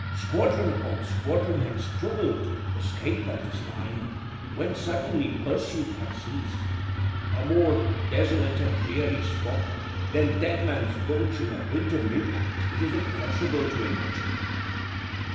Squadron upon squadron had struggled to escape by this line, when suddenly pursuit had ceased. A more desolate and dreary spot than Deadman's Gulch in a winter midnight it is impossible to imagine.